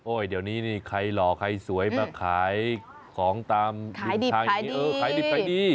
โอ้ยเดี๋ยวนี้ใครหล่อใครสวยมาขายของตามดินชายขายดิบไปดี